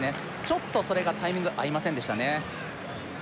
ちょっとそれがタイミング合いませんでしたね